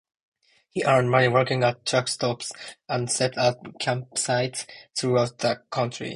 He earned money working at truck stops and slept at campsites throughout the country.